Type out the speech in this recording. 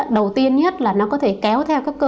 đầu tiên nhất là nó có thể kéo theo các cơ sở